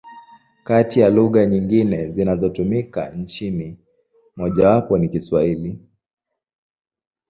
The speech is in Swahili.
Kati ya lugha nyingine zinazotumika nchini, mojawapo ni Kiswahili.